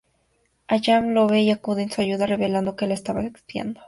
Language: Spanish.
Hallam lo ve y acude en su ayuda, revelando que la estaba espiando.